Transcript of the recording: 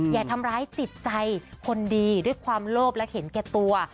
อย่าทำร้ายจิตใจคนดีด้วยความโลภและเห็นแก่ตัว